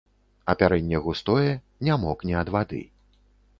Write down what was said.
Апярэнне густое, не мокне ад вады.